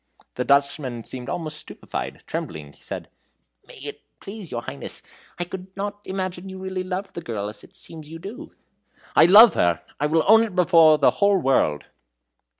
The Dutchman seemed almost stupefied; trembling, he said: "May it please your Highness, I could not imagine you really loved the girl as it seems you do." "I love her! I will own it before the whole world!"